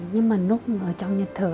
nhưng mà lúc ở trong nhật thờ